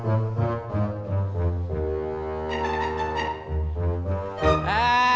es dawat bikin sekerpukar